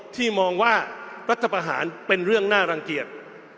ที่มองว่ารัฐประหารเป็นเรื่องน่ารังเกียจ